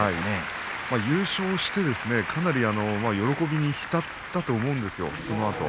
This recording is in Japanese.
優勝してかなり喜びに浸ったと思うんですよ、そのあと。